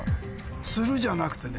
「する」じゃなくて。